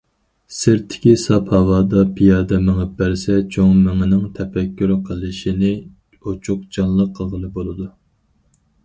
سىرتتىكى ساپ ھاۋادا پىيادە مېڭىپ بەرسە، چوڭ مېڭىنىڭ تەپەككۇر قىلىشىنى ئوچۇق، جانلىق قىلغىلى بولىدۇ.